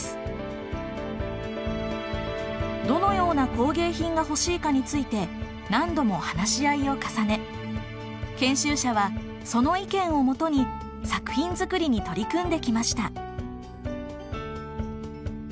どのような工芸品が欲しいかについて何度も話し合いを重ね研修者はその意見をもとに作品作りに取り組んできました。